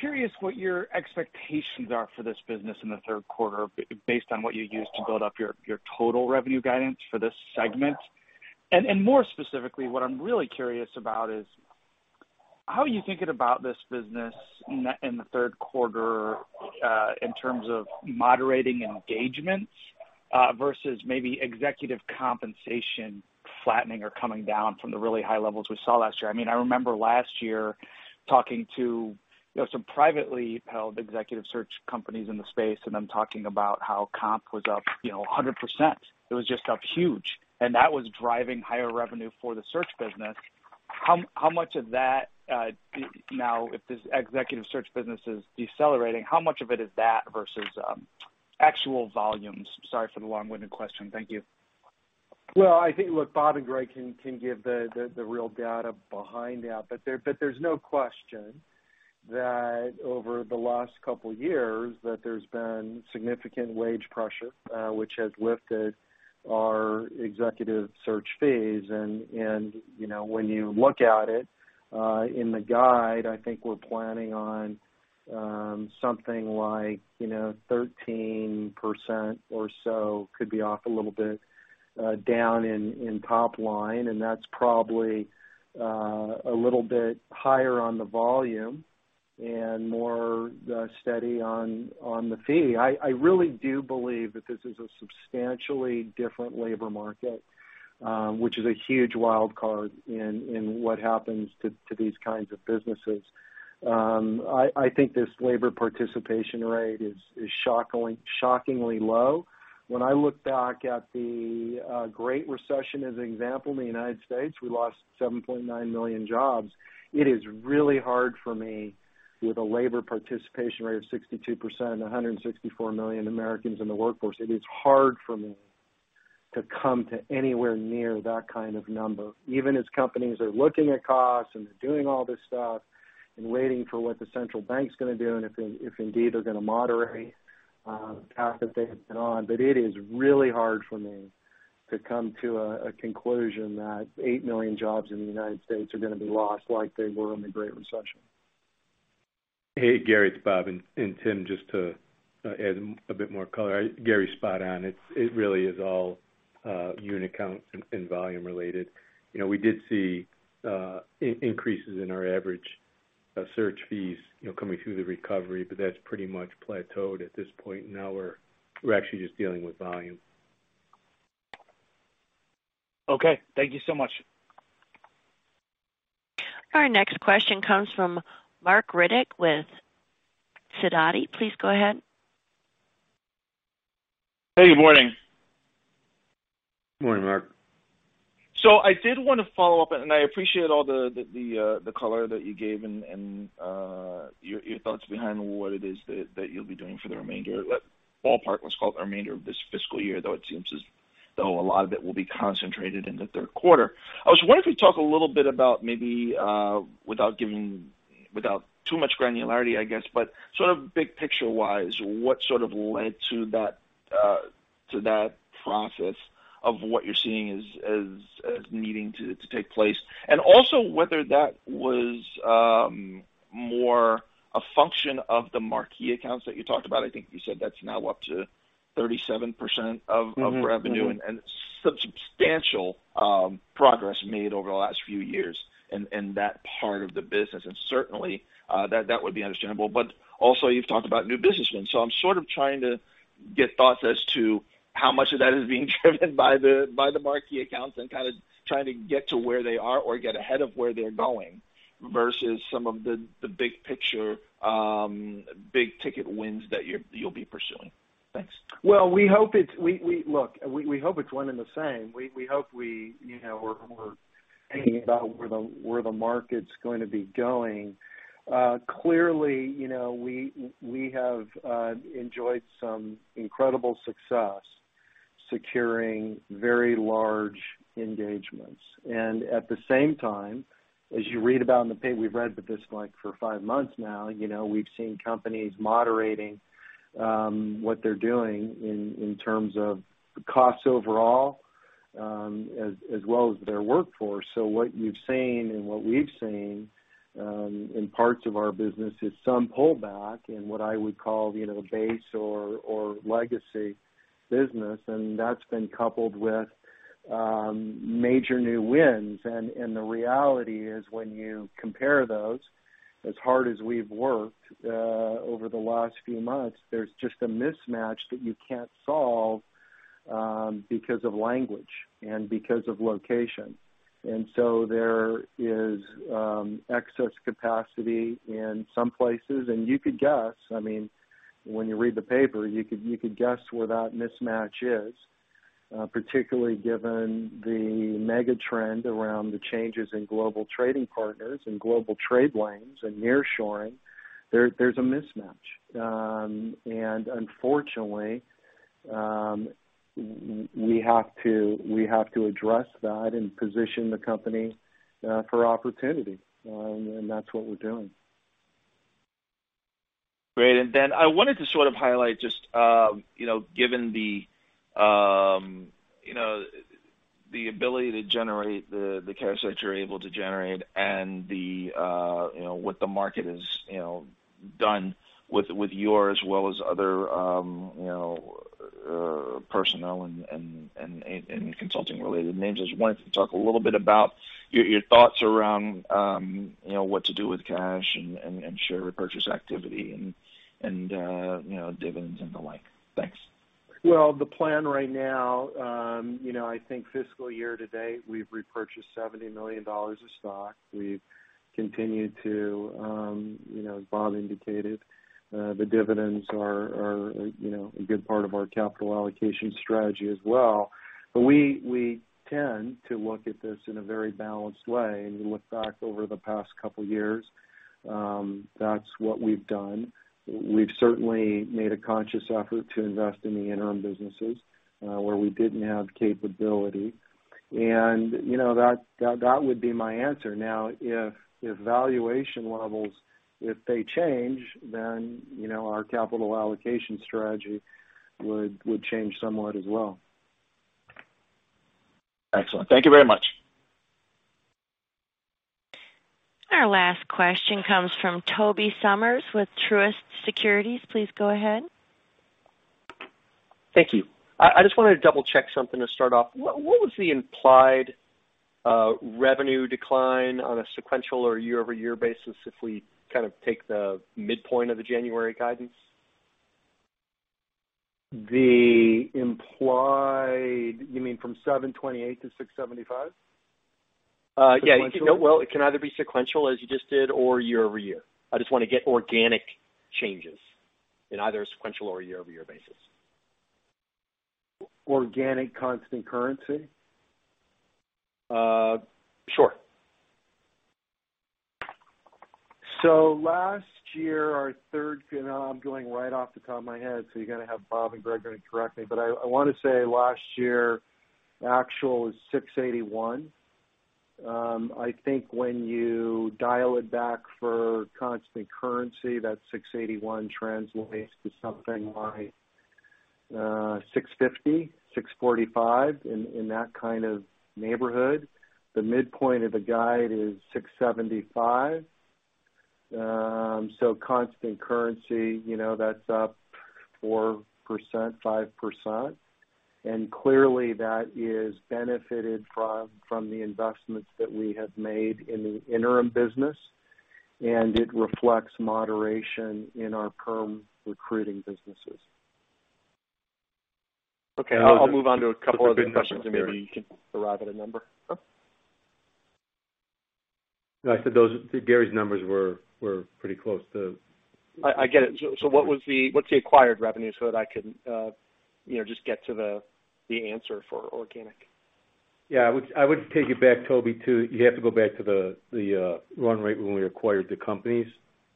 curious what your expectations are for this business in the third quarter based on what you used to build up your total revenue guidance for this segment. More specifically, what I'm really curious about is how are you thinking about this business in the third quarter in terms of moderating engagements versus maybe executive compensation flattening or coming down from the really high levels we saw last year? I mean, I remember last year talking to, you know, some privately held executive search companies in the space, and I'm talking about how comp was up, you know, 100%. It was just up huge. That was driving higher revenue for the search business. How much of that now, if this executive search business is decelerating, how much of it is that versus actual volumes? Sorry for the long-winded question. Thank you. Well, I think, look, Bob and Gregg can give the real data behind that. There's no question that over the last couple years, that there's been significant wage pressure, which has lifted our executive search fees. You know, when you look at it, in the guide, I think we're planning on something like, you know, 13% or so, could be off a little bit, down in top line, and that's probably a little bit higher on the volume and more steady on the fee. I really do believe that this is a substantially different labor market, which is a huge wild card in what happens to these kinds of businesses. I think this labor participation rate is shockingly low. When I look back at the Great Recession as an example, in the United States, we lost 7.9 million jobs. It is really hard for me with a labor participation rate of 62% and 164 million Americans in the workforce, it is hard for me to come to anywhere near that kind of number. Even as companies are looking at costs and they're doing all this stuff and waiting for what the central bank's gonna do, and if indeed they're gonna moderate the path that they have been on. It is really hard for me to come to a conclusion that 8 million jobs in the United States are gonna be lost like they were in the Great Recession. Hey, Gary, it's Bob and then, just to add a bit more color. Gary, spot on. It really is all unit count and volume related. You know, we did see increases in our average search fees, you know, coming through the recovery, but that's pretty much plateaued at this point. We're actually just dealing with volume. Okay. Thank you so much. Our next question comes from Marc Riddick with Sidoti. Please go ahead. Hey, good morning. Morning, Mark. I did wanna follow up, and I appreciate all the color that you gave and your thoughts behind what it is that you'll be doing for the remainder. Ballpark, let's call it the remainder of this fiscal year, though it seems as though a lot of it will be concentrated in the third quarter. I was wondering if you talk a little bit about maybe, without too much granularity, I guess, but sort of big picture-wise, what sort of led to that to that process of what you're seeing as needing to take place. Also whether that was more a function of the marquee accounts that you talked about. I think you said that's now up to 37% of. Mm-hmm. Mm-hmm.... of revenue and substantial progress made over the last few years in that part of the business. Certainly, that would be understandable. Also, you've talked about new business wins. I'm sort of trying to get thoughts as to how much of that is being driven by the marquee accounts and kind of trying to get to where they are or get ahead of where they're going versus some of the big picture, big ticket wins that you'll be pursuing. Thanks. Well, we hope it's one and the same. We hope we, you know, we're thinking about where the market's going to be going. Clearly, you know, we have enjoyed some incredible success securing very large engagements. At the same time, as you read about in the we've read about this, like, for five months now, you know, we've seen companies moderating what they're doing in terms of the costs overall, as well as their workforce. What you've seen and what we've seen in parts of our business is some pullback in what I would call, you know, the base or legacy business, and that's been coupled with major new wins. The reality is, when you compare those, as hard as we've worked, over the last few months, there's just a mismatch that you can't solve, because of language and because of location. There is excess capacity in some places. You could guess, I mean, when you read the paper, you could guess where that mismatch is, particularly given the mega trend around the changes in global trading partners and global trade lanes and nearshoring. There's a mismatch. Unfortunately, we have to address that and position the company for opportunity. That's what we're doing. Great. Then I wanted to sort of highlight just, you know, given the, you know, the ability to generate the cash that you're able to generate and the, you know, what the market is, you know, done with yours as well as other, you know, personnel and consulting related names. Just wanted to talk a little bit about your thoughts around, you know, what to do with cash and share repurchase activity and, you know, dividends and the like. Thanks. Well, the plan right now, you know, I think fiscal year to date, we've repurchased $70 million of stock. We've continued to, you know, as Bob indicated, the dividends are, you know, a good part of our capital allocation strategy as well. We tend to look at this in a very balanced way. You look back over the past couple years, that's what we've done. We've certainly made a conscious effort to invest in the interim businesses, where we didn't have capability. You know, that would be my answer. Now, if valuation levels, if they change, then, you know, our capital allocation strategy would change somewhat as well. Excellent. Thank you very much. Our last question comes from Tobey Sommer with Truist Securities. Please go ahead. Thank you. I just wanted to double check something to start off. What was the implied revenue decline on a sequential or year-over-year basis if we kind of take the midpoint of the January guidance? You mean from $728-$675? Yeah. You know, well, it can either be sequential as you just did or year-over-year. I just wanna get organic changes in either a sequential or a year-over-year basis. Organic constant currency? Sure. Last year, you know, I'm going right off the top of my head, so you're gonna have Bob and Greg gonna correct me, but I wanna say last year, actual is $681. I think when you dial it back for constant currency, that $681 translates to something like $650, $645, in that kind of neighborhood. The midpoint of the guide is $675. Constant currency, you know, that's up 4%, 5%. Clearly that is benefited from the investments that we have made in the interim business, and it reflects moderation in our perm recruiting businesses. Okay. I'll move on to a couple other questions, Maybe you can arrive at a number. Huh? No, I said Gary's numbers were pretty close. I get it. What's the acquired revenue so that I can, you know, just get to the answer for organic? Yeah. I would take it back, Tobey. You have to go back to the run rate when we acquired the companies.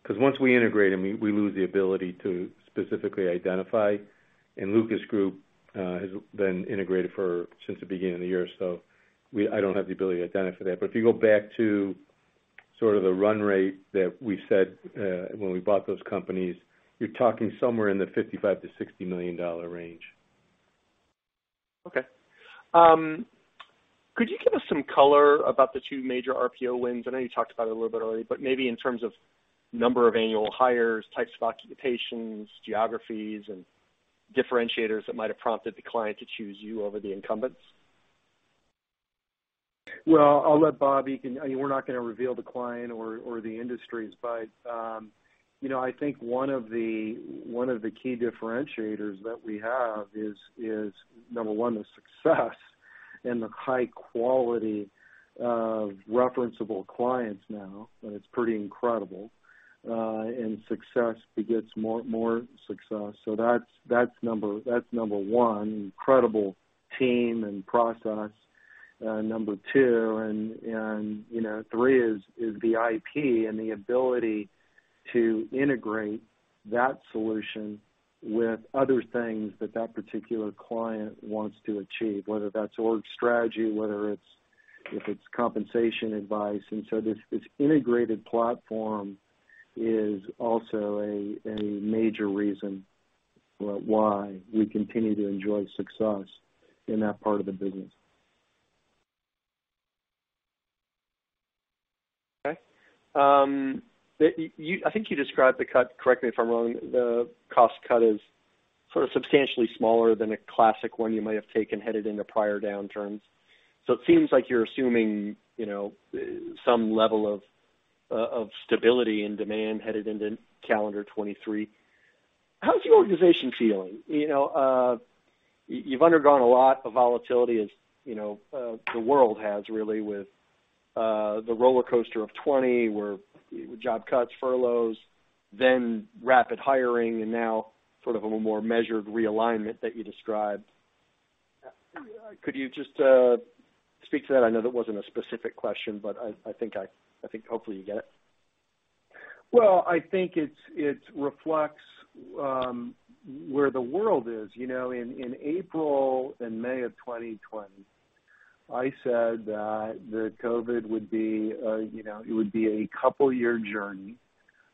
'Cause once we integrate them, we lose the ability to specifically identify. Lucas Group has been integrated since the beginning of the year, so I don't have the ability to identify that. If you go back to sort of the run rate that we said when we bought those companies, you're talking somewhere in the $55 million-$60 million range. Okay. Could you give us some color about the two major RPO wins? I know you talked about it a little bit already, but maybe in terms of number of annual hires, types of occupations, geographies, and differentiators that might have prompted the client to choose you over the incumbents. Well, I'll let Bob. You can. You know, we're not gonna reveal the client or the industries. You know, I think one of the key differentiators that we have is number one, the success and the high quality of referenceable clients now, and it's pretty incredible. Success begets more success. That's number one. Incredible team and process, number two. You know, three is the IP and the ability to integrate that solution with other things that particular client wants to achieve, whether that's org strategy, whether it's compensation advice. This integrated platform is also a major reason why we continue to enjoy success in that part of the business. Okay. I think you described the cut, correct me if I'm wrong, the cost cut as sort of substantially smaller than a classic one you might have taken headed into prior downturns. It seems like you're assuming, you know, some level of stability and demand headed into calendar 2023. How's your organization feeling? You know, you've undergone a lot of volatility as, you know, the world has really with the rollercoaster of 2020, where job cuts, furloughs, then rapid hiring, and now sort of a more measured realignment that you described. Could you just speak to that? I know that wasn't a specific question, but I think hopefully you get it. Well, I think it's reflects where the world is. You know, in April and May of 2020, I said that COVID would be, you know, a couple year journey,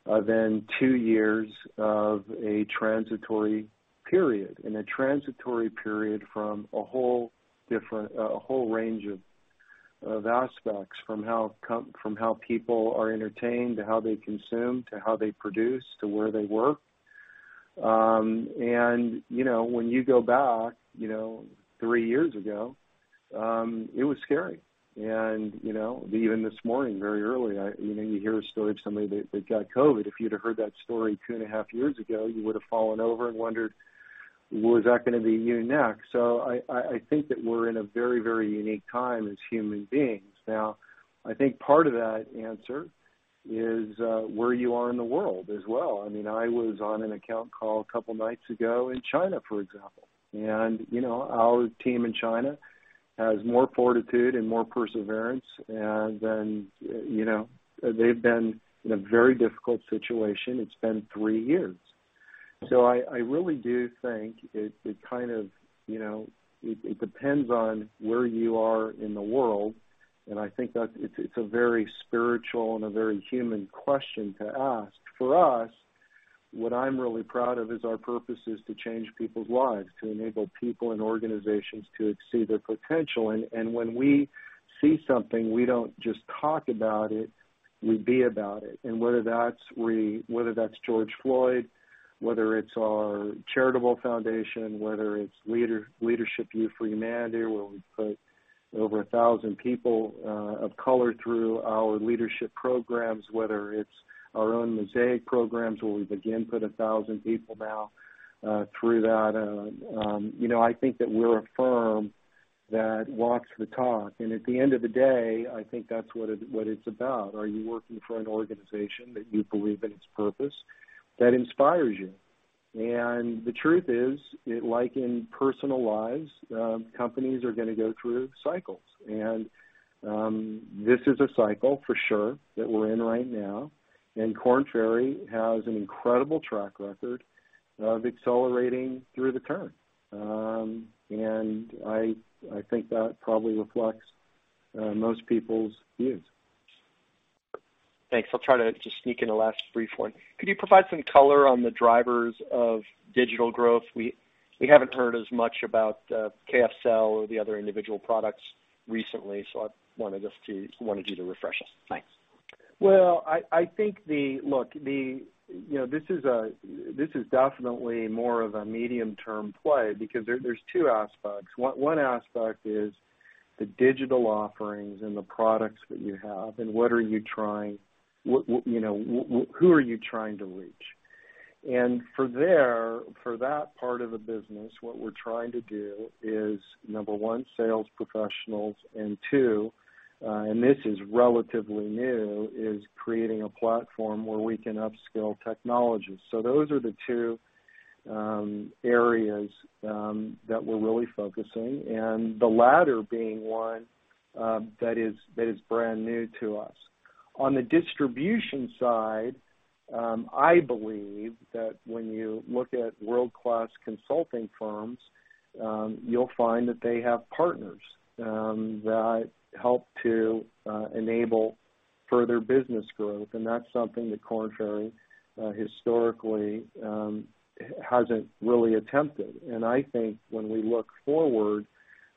then two years of a transitory period. A transitory period from a whole range of aspects, from how people are entertained, to how they consume, to how they produce, to where they work. You know, when you go back, you know, three years ago, it was scary. You know, even this morning, very early, you know, you hear a story of somebody that got COVID. If you'd have heard that story two and a half years ago, you would've fallen over and wondered, was that gonna be you next? I think that we're in a very, very unique time as human beings. Now, I think part of that answer is where you are in the world as well. I mean, I was on an account call a couple nights ago in China, for example. You know, our team in China has more fortitude and more perseverance, you know, they've been in a very difficult situation. It's been three years. I really do think it kind of, you know, it depends on where you are in the world, and I think that it's a very spiritual and a very human question to ask. For us, what I'm really proud of is our purpose is to change people's lives, to enable people and organizations to exceed their potential. When we see something, we don't just talk about it, we be about it. Whether that's George Floyd, whether it's our charitable foundation, whether it's Leadership U for Humanity, where we put over 1,000 people of color through our leadership programs, whether it's our own Mosaic programs, where we begin put 1,000 people now through that. You know, I think that we're a firm that walks the talk. At the end of the day, I think that's what it, what it's about. Are you working for an organization that you believe in its purpose that inspires you? The truth is, like in personal lives, companies are gonna go through cycles. This is a cycle for sure that we're in right now. Korn Ferry has an incredible track record of accelerating through the turn. I think that probably reflects most people's views. Thanks. I'll try to just sneak in a last brief one. Could you provide some color on the drivers of digital growth? We haven't heard as much about KSL or the other individual products recently, so I wanted you to refresh us. Thanks. Well, I think the Look, you know, this is definitely more of a medium-term play because there's two aspects. One aspect is the digital offerings and the products that you have and what are you trying to reach? For that part of the business, what we're trying to do is, number one, sales professionals, and two, and this is relatively new, is creating a platform where we can upskill technologists. Those are the two areas that we're really focusing. The latter being one that is brand new to us. On the distribution side, I believe that when you look at world-class consulting firms, you'll find that they have partners that help to enable further business growth. That's something that Korn Ferry historically hasn't really attempted. I think when we look forward,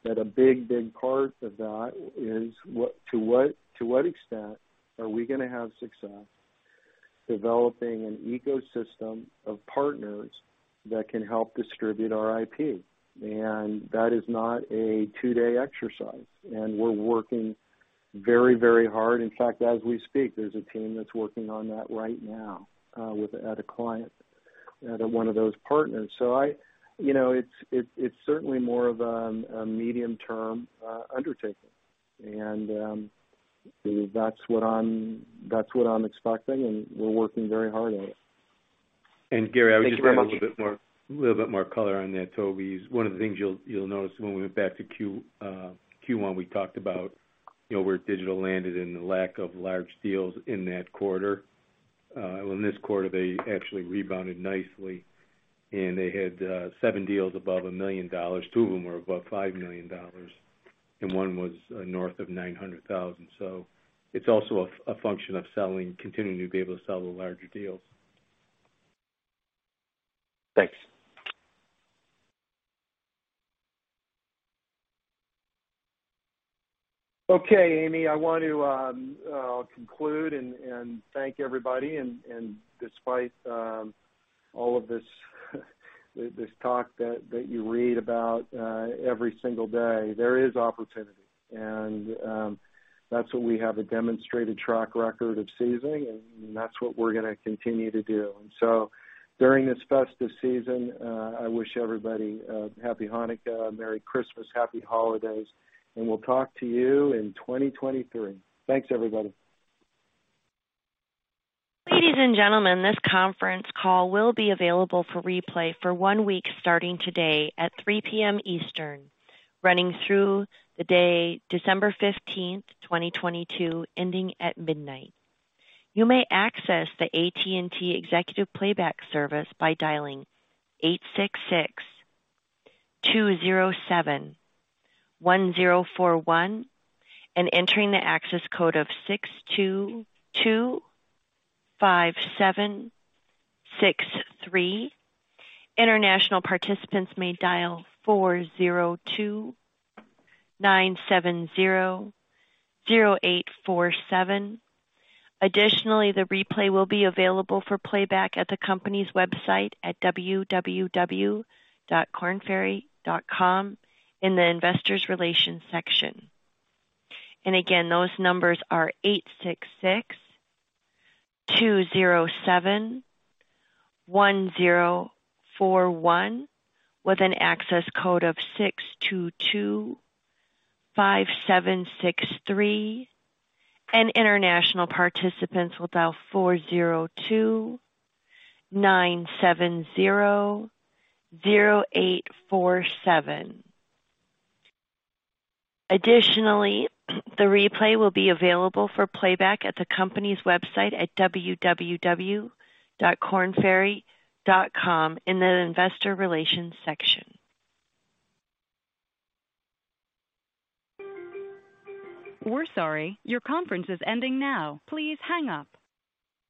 that a big part of that is to what extent are we gonna have success developing an ecosystem of partners that can help distribute our IP. That is not a two-day exercise. We're working very hard. In fact, as we speak, there's a team that's working on that right now at a client, at one of those partners. You know, it's certainly more of a medium-term undertaking. That's what I'm expecting, and we're working very hard at it. Gary, I would. Thank you very much. A little bit more color on that, Tobey. One of the things you'll notice when we went back to Q1, we talked about, you know, where digital landed and the lack of large deals in that quarter. Well, in this quarter, they actually rebounded nicely, and they had seven deals above $1 million. Two of them were above $5 million, and one was north of $900,000. It's also a function of selling, continuing to be able to sell the larger deals. Thanks. Okay, Amy, I want to conclude and thank everybody. Despite all of this talk that you read about every single day, there is opportunity. That's what we have a demonstrated track record of seizing, and that's what we're gonna continue to do. During this festive season, I wish everybody a happy Hanukkah, Merry Christmas, Happy Holidays, and we'll talk to you in 2023. Thanks, everybody. Ladies and gentlemen, this conference call will be available for replay for one week, starting today at 3:00 P.M. Eastern, running through the day December 15th, 2022, ending at midnight. You may access the AT&T Executive Playback service by dialing 866-207-1041 and entering the access code of 6225763. International participants may dial 402-970-0847. Additionally, the replay will be available for playback at the company's website at www.kornferry.com in the Investor Relations section. Again, those numbers are 866-207-1041, with an access code of 6225763. International participants will dial 402-970-0847. Additionally, the replay will be available for playback at the company's website at www.kornferry.com in the Investor Relations section. We're sorry. Your conference is ending now. Please hang up.